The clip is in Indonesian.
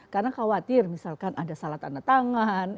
karena khawatir misalkan ada salah tanda tangan